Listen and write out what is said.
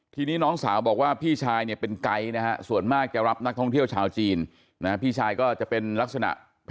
ทีนี้น้องสาวบอกว่าพี่ชายเป็นไกลส่วนมากจะรับนักท่องเที่ยวชาวจีน